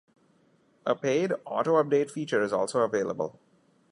A paid auto-update feature is also available.